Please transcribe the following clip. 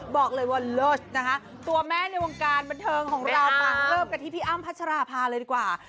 บอกเลยว่าเลิศนะคะตัวแม่ในวงการบันเทิงของเรามาเริ่มกันที่พี่อ้ำพัชราภาเลยดีกว่า